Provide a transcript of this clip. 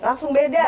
langsung beda ya